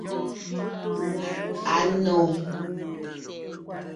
Anò.